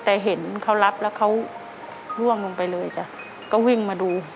แต่เห็นเขารับแล้วเขาร่วงลงไปเลยจ้ะก็วิ่งมาดู